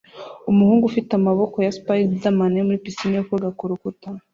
umuhungu ufite amaboko ya spiderman ari muri pisine yo koga kurukuta